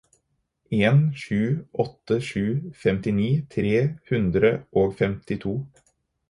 en sju åtte sju femtini tre hundre og femtito